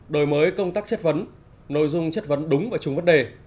đổi mới công tác chất vấn nội dung chất vấn đúng và trúng vấn đề